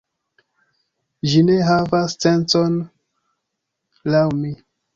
Ĝi ne havas sencon laŭ mi